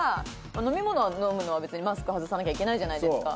飲み物飲むのは別にマスク外さなきゃいけないじゃないですか。